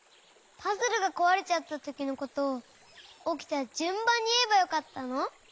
パズルがこわれちゃったときのことをおきたじゅんばんにいえばよかったの？